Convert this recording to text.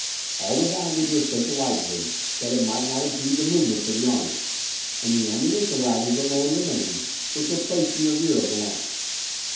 All the baggage was sent to Leipzig, that it might not impede the movements of the army; and the ammunition waggons alone remained, which were placed in rear of the line.